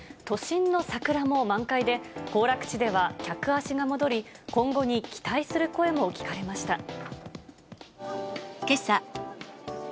都心の桜も満開で、行楽地では客足が戻り、今後に期待する声も聞かれました。